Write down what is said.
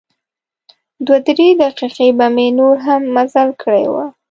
دوه درې دقیقې به مې نور هم مزل کړی و.